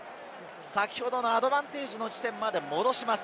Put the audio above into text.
先ほどのアドバンテージの地点まで戻されます。